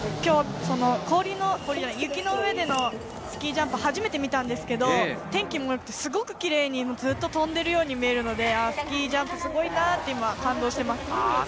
雪の上でのスキージャンプを初めて見たんですけれど、天気が良くてすごくキレイに飛んでいるように見えるので、スキージャンプはすごいなと感動しています。